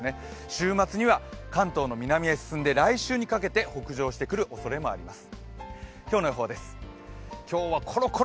週末には関東の南へ進んで、来週にかけて北上してくるおそれもあります。